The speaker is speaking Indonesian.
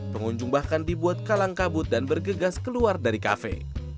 pengunjung bahkan dibuat kalang kabut dan bergegas keluar dari kafe